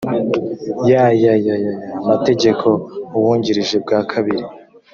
ya y aya mategeko uwungirije bwa kabiri